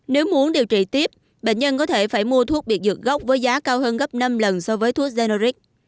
nếu muốn điều trị tiếp bệnh nhân có thể phải mua thuốc biệt dược gốc với giá cao hơn gấp năm lần so với thuốc generic